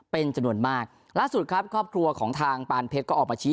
เป็นจำนวนมากล่าสุดครับครอบครัวของทางปานเพชรก็ออกมาชี้